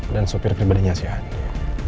dan sopir pribadinya si andi